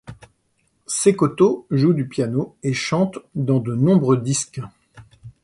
Sekoto joue du piano et chante dans de nombreux disques.